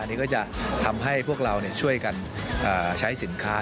อันนี้ก็จะทำให้พวกเราช่วยกันใช้สินค้า